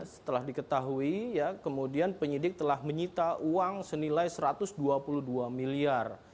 setelah diketahui ya kemudian penyidik telah menyita uang senilai satu ratus dua puluh dua miliar